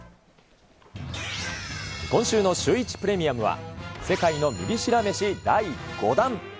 今週のシューイチプレミアムは、世界のミリ知ら飯第５弾。